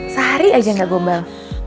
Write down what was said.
sehari aja ga gombal